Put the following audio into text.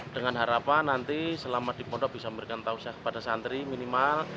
dengan harapan nanti selama di pondok bisa memberikan tausiah kepada santri minimal